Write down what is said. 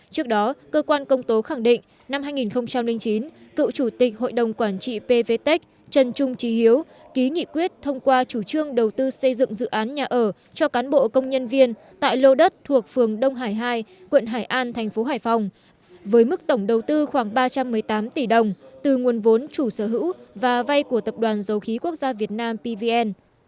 trước đó cơ quan công tố khẳng định năm hai nghìn chín cựu chủ tịch hội đồng quản trị pvtec trần trung trí hiếu ký nghị quyết thông qua chủ trương đầu tư xây dựng dự án nhà ở cho cán bộ công nhân viên tại lô đất thuộc phường đông hải hai quận hải an tp hải phòng với mức tổng đầu tư khoảng ba trăm một mươi tám tỷ đồng từ nguồn vốn chủ sở hữu và vay của tập đoàn dầu khí quốc gia việt nam pvn